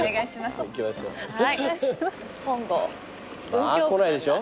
まあ来ないでしょ？